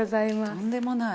とんでもない。